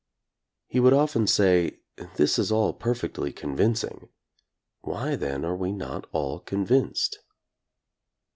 He would often say, This is all perfectly convincing; why, then, are we not all convinced'?